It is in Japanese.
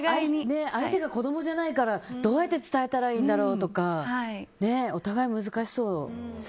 相手が子供じゃないからどうやって伝えたらいいんだろうとかお互い難しそう。